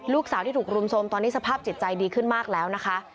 ลูกสาวที่ถูกรุมโทรมตอนนี้สภาพจิตใจดีขึ้นมากแล้วนะคะ